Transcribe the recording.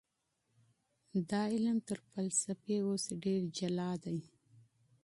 دا علم تر فلسفې اوس ډېر جلا دی.